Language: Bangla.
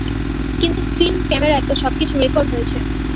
কিন্তু ফিল্ম ক্যামেরায় তো সবকিছু রেকর্ড হয়েছে।